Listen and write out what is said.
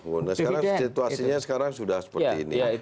nah situasinya sekarang sudah seperti ini